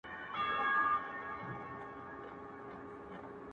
o مه یې را کوه د هضمېدلو توان یې نلرم,